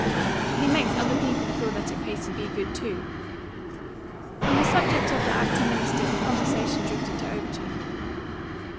"He makes other people feel that it pays to be good, too." From the subject of the actor minister the conversation drifted to Overton.